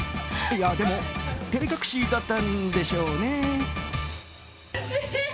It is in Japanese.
いやでも照れ隠しだったんでしょうね。